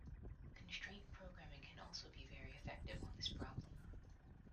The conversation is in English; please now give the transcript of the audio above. Constraint programming can also be very effective on this problem.